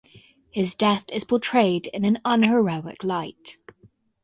His death is portrayed in an unheroic light.